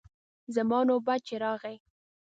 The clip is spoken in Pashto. زما نوبت چې راغی.